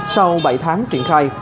sau bảy tháng triển khai